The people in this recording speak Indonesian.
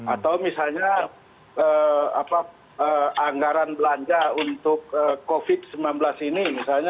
atau misalnya anggaran belanja untuk covid sembilan belas ini misalnya